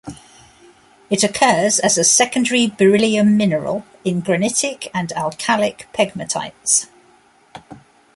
It occurs as a secondary beryllium mineral in granitic and alkalic pegmatites.